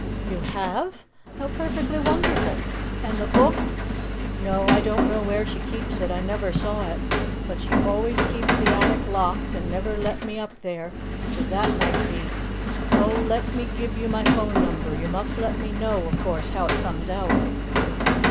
You have? How perfectly wonderful! And the Book? No, I don't know where she keeps it. I never saw it. But she always keeps the attic locked and never let me up there, so that might be Oh, let me give you my phone number. You must let me know, of course, how it comes out."